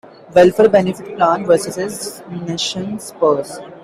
Welfare Benefit Plan versus Nations Pers.